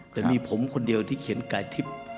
แต่มีผมคนเดียวที่เขียนกายทิพย์